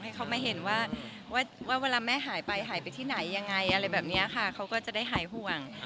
ให้เขามาเห็นว่าเวลาแม่หายไปหายไปที่ไหนยังไงอะไรแบบนี้ค่ะเขาก็จะได้หายห่วง